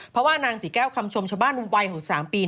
เพราะว่านางศรีแก้วคำชมชาวบ้านวัย๖๓ปี